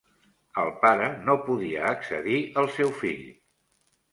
El pare no podia accedir al seu fill.